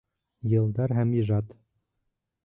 Йылдар һәм ижад.